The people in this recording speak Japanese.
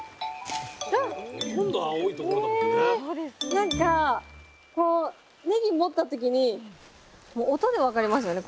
なんかこうねぎ持った時にもう音でわかりますよね